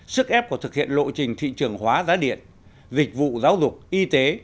sức ép của thực hiện lộ trình thị trường hóa giá điện dịch vụ giáo dục y tế